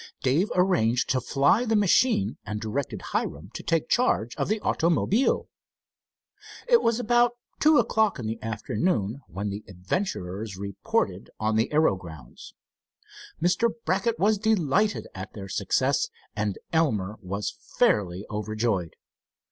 Dave arranged to fly the machine and directed Hiram to take charge of the automobile. It was about two o'clock in the afternoon when the adventurers reported on the aero grounds. Mr. Brackett was delighted at their success and Elmer was fairly overjoyed.